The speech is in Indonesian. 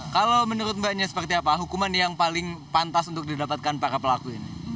kalau menurut mbaknya seperti apa hukuman yang paling pantas untuk didapatkan para pelaku ini